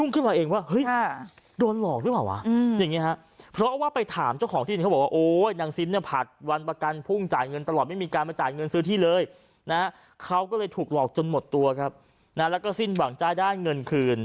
เขาก็เลยถูกหลอกจนหมดตัวครับนะแล้วก็สิ้นหวังจะได้เงินคืน